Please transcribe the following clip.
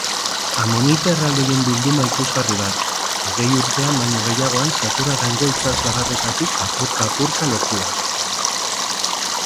Amonite erraldoien bilduma ikusgarri bat, hogei urtean baino gehiagoan Saturrarango itsaslabarretatik apurka-apurka lortua.